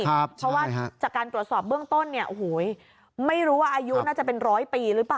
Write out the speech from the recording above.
เพราะว่าจากการตรวจสอบเบื้องต้นเนี่ยโอ้โหไม่รู้ว่าอายุน่าจะเป็นร้อยปีหรือเปล่า